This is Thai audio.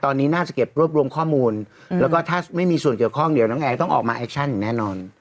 ตอนนี้น่าจะเก็บรวบรวมข้อมูลแล้วก็ถ้าไม่มีส่วนเกี่ยวข้องเดี๋ยวน้องแอร์ต้องออกมาแอคชั่นอย่างแน่นอน